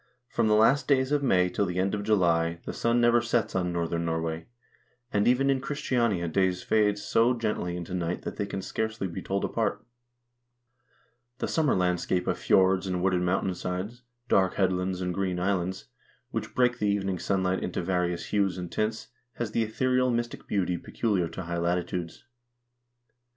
From the last days of May till the end of July the sun never sets THE COUNTRY AND ITS RESOURCES 3 on northern Norway, and even in Christiania day fades so gently into night that they can scarcely be told apart. The summer landscape of fjords and wooded mountain sides, dark headlands and green islands, which break the evening sunlight into various hues and tints, has the ethereal mystic beauty peculiar to high latitudes.